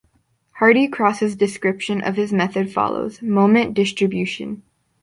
Hardy Cross's description of his method follows: Moment Distribution.